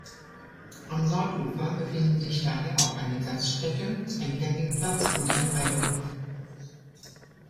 Am Nordufer befinden sich daher auch eine Gaststätte, ein Campingplatz und ein Reiterhof.